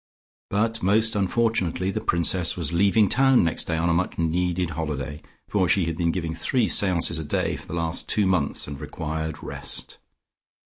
But most unfortunately the Princess was leaving town next day on a much needed holiday, for she had been giving three seances a day for the last two months and required rest.